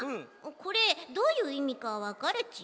これどういういみかわかるち？